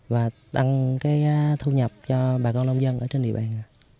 và tăng cái thu nhập cho bà con nông dân ở trên địa bàn